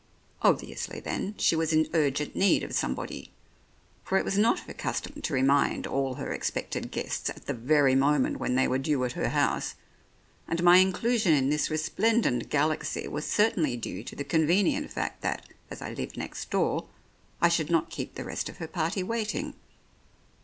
Obviously, then, she was in urgent need of some 85 The Oriolists body, for it was not her custom to "remind " all her expected guests at the very moment when they were due at her house, and my inclusion in this resplendent galaxy was certainly due to the convenient fact that, as I lived next door, I should not keep the rest of her party waiting.